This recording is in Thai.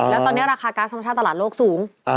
แล้วตอนนี้ราคาก๊าซธรรมชาติตลาดโลกสูง